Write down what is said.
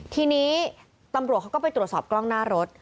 ทีนี้ตำรวจเขาก็ไปตรวจสอบกล้องหน้ารถ